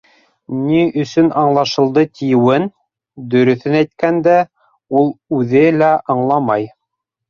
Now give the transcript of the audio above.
Ни өсөн «аңлашылды» тиеүен, дөрөҫөн әйткәндә, ул үҙе лә аңламай.